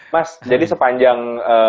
mas jadi sepanjang